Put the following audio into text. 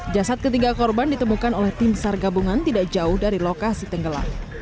jasad ketiga korban ditemukan oleh tim sar gabungan tidak jauh dari lokasi tenggelam